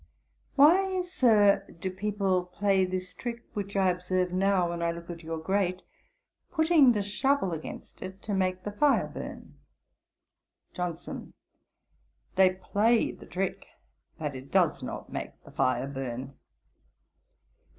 'Why, Sir, do people play this trick which I observe now, when I look at your grate, putting the shovel against it to make the fire burn?' JOHNSON. 'They play the trick, but it does not make the fire burn.